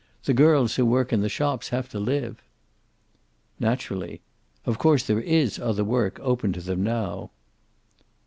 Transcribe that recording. The girls who work in the shops have to live." "Naturally. Of course there is other work open to them now."